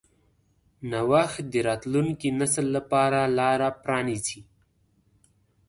نوښت د راتلونکي نسل لپاره لاره پرانیځي.